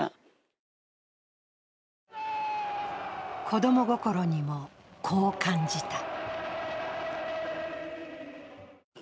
子供心にも、こう感じた。